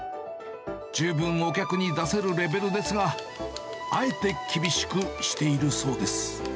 十分お客に出せるレベルですが、あえて厳しくしているそうです。